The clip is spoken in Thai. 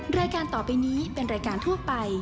รายการต่อไปนี้เป็นรายการทั่วไป